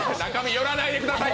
寄らないでください！